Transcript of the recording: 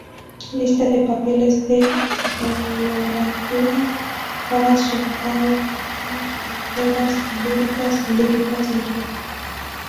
Lista de papeles de coloratura para sopranos ligeras, líricas y líricas ligeras.